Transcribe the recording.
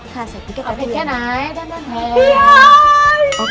ใช่ใส่พี่ก่อนเลยนะเอาทำแบบนี้แค่ไหน